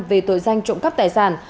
về tội danh trộm cắp tài sản